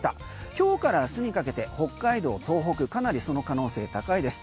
今日から明日にかけて北海道、東北かなりその可能性が高いです。